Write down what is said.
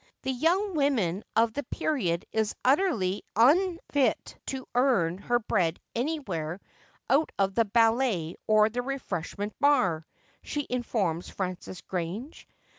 ' The young woman of the period is utterly unat to earn her bread anywhere out of the ballet or the refreshment bar,' she informs Frances Grange.